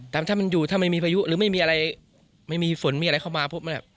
แต่ถ้ามันอยู่ถ้าไม่มีพายุหรือไม่มีอะไรไม่มีฝนมีอะไรเข้ามาปุ๊บมันแบบ